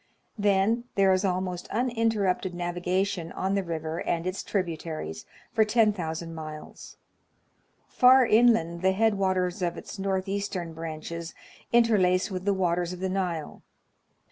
Then there is almost uninterrupted navigation on the river and its tributaries for 10,000 miles. Far inland the head waters of its north eastern branches interlace with the waters of the Nile.